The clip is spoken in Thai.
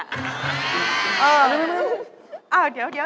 เออไม่